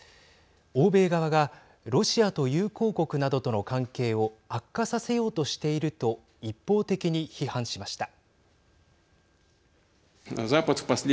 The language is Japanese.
欧米側がロシアと友好国などとの関係を悪化させようとしていると一方的に批判しました。